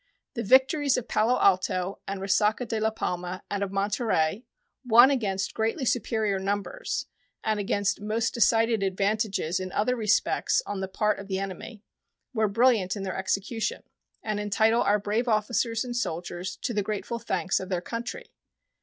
The victories of Palo Alto and Resaca de la Palma and of Monterey, won against greatly superior numbers and against most decided advantages in other respects on the part of the enemy, were brilliant in their execution, and entitle our brave officers and soldiers to the grateful thanks of their country.